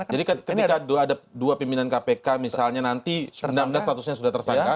jadi ketika ada dua pimpinan kpk misalnya nanti undang undang statusnya sudah tersangka